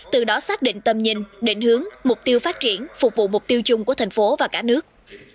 từ đó xác định tầm nhìn định hướng mục tiêu phát triển phục vụ mục tiêu chung của thành phố và cả nước